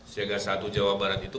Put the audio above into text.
siaga satu jawa barat itu